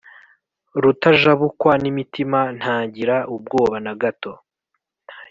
rutajabukwa n’imitima: ntagira ubwoba na gato